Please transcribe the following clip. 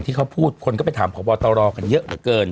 ที่เขาพูดคนก็ไปถามพบตรกันเยอะเหลือเกิน